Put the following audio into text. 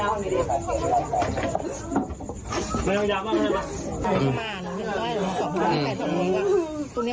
โอ้เด็กยาวยาวเลยเด็ก